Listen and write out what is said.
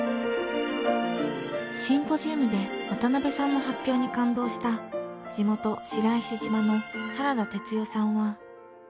シンポジウムで渡辺さんの発表に感動した地元白石島の原田てつよさんは。